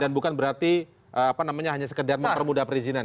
dan bukan berarti hanya sekedar mempermudah perizinan